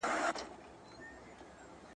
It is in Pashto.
صابون میکروبونه له منځه وړي.